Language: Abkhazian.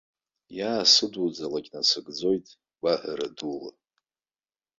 Иаасыдуҵалак насыгӡоит гәахәара дула!